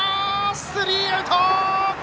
スリーアウト！